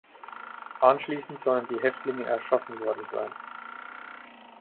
Anschließend sollen die Häftlinge erschossen worden sein.